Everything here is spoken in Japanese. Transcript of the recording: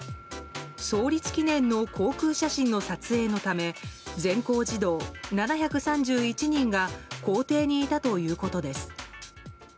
創立記念の航空写真の撮影のため全校児童７３１人が校庭にいたということです。